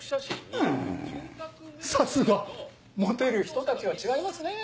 うんさすがモテる人たちは違いますねぇ！